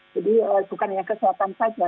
jadi bukannya kesehatan saja